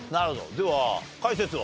では解説を。